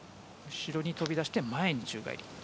後ろに飛び出して前に宙返り。